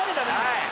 「はい！」